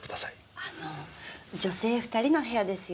あの女性２人の部屋ですよ。